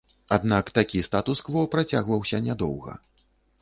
Аднак такі статус-кво працягваўся нядоўга.